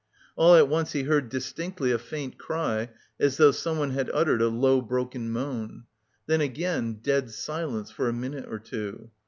All at once he heard distinctly a faint cry, as though someone had uttered a low broken moan. Then again dead silence for a minute or two.